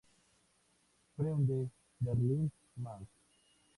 Freunde Berlin Mag.